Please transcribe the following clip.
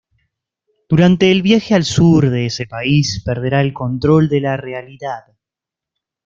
Durante el viaje al sur de ese país, perderá el control de la realidad.